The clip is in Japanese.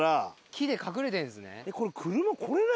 木で隠れてんですね。